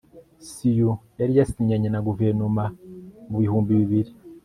sioux yari yasinyanye na guverinoma mu bihumbi bibiri